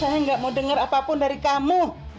saya nggak mau dengar apapun dari kamu